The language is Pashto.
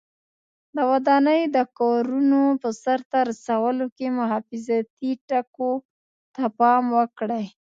د ودانۍ د کارونو په سرته رسولو کې حفاظتي ټکو ته پام وکړئ.